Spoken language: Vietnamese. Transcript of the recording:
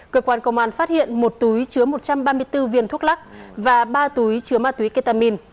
cơ quan công an phát hiện một túi chứa một trăm ba mươi bốn viên thuốc lắc và ba túi chứa ma túy ketamin